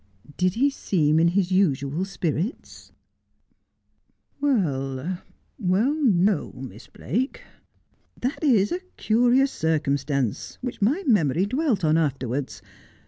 ' Did he seem in his usual spirits 1 '' Well, no, Miss Blake. That is a curious circumstance, which my memory dwelt on afterwards.